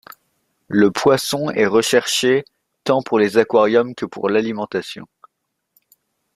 Le poisson est recherché tant pour les aquariums que pour l'alimentation.